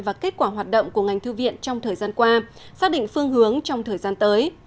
và kết quả hoạt động của ngành thư viện trong thời gian qua xác định phương hướng trong thời gian tới